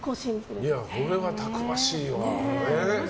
これはたくましいわ。